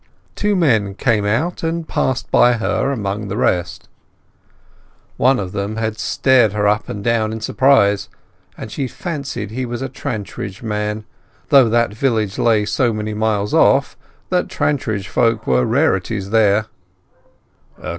Two men came out and passed by her among the rest. One of them had stared her up and down in surprise, and she fancied he was a Trantridge man, though that village lay so many miles off that Trantridge folk were rarities here.